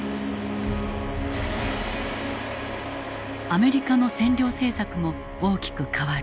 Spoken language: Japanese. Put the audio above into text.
アメリカの占領政策も大きく変わる。